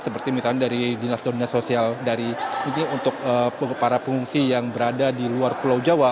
seperti misalnya dari dinas dinas sosial dari ini untuk para pengungsi yang berada di luar pulau jawa